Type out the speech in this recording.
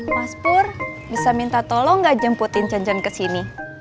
mas pur bisa minta tolong nggak jemputin cen cen kesini